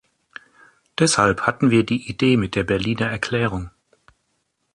Deshalb hatten wir die Idee mit der Berliner Erklärung.